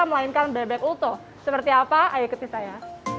melainkan bebek ulto seperti apa ayo ikuti saya